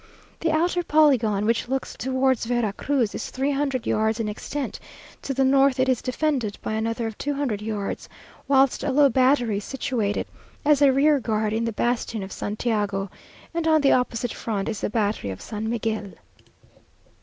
The outer polygon, which looks towards Vera Cruz, is three hundred yards in extent; to the north it is defended by another of two hundred yards; whilst a low battery is situated as a rear guard in the bastion of Santiago; and on the opposite front is the battery of San Miguel.